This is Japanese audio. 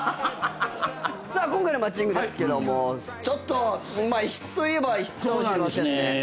さあ今回のマッチングですけどもちょっと異質といえば異質かもしれませんね。